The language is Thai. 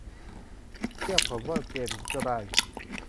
เรียกผมว่า เจมส์ ก็ได้